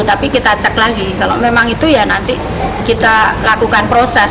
tapi kita cek lagi kalau memang itu ya nanti kita lakukan proses